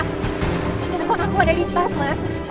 pemandang aku ada di pas mas